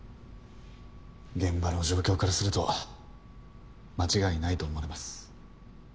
現場の状況からすると間違いないと思われます。